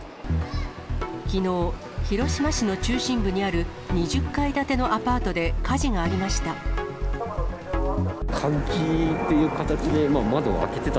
きのう、広島市の中心部にある２０階建てのアパートで火事がありました。